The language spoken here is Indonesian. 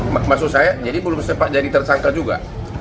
maksud saya jadi belum sempat jadi tersangka juga